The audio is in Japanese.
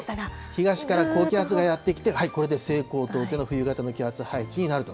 東から高気圧がやって来て、これで西高東低の冬型の気圧配置になると。